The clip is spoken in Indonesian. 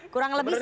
kurang lebih sama